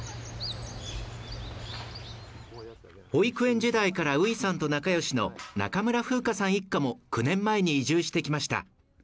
保育園時代からういさんと仲良しの中村風歌さん一家も９年前に移住してきました。